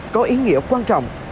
có ý nghĩa quan trọng